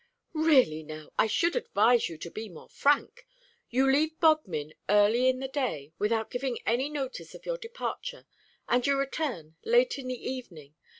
"Really, now, I should advise you to be more frank. You leave Bodmin early in the day without giving any notice of your departure and you return late in the evening.